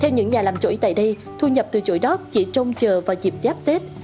theo những nhà làm chổi tại đây thu nhập từ chổi đót chỉ trông chờ vào dịp giáp tết